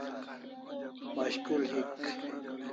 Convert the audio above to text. Mashkul hik